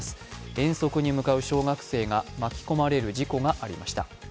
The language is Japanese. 遠足に向かう小学生が巻き込まれる事故がありました。